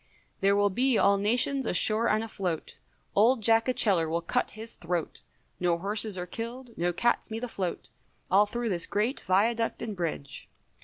There will be all nations ashore and afloat, Old Jack Atcheler will cut his throat, No horses are killed, no cat's meat afloat, All through this great Viaduct and Bridge.